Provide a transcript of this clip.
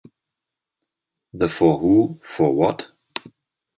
The For Who, For What?